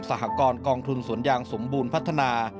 หกรณ์กองทุนสวนยางสมบูรณ์พัฒนา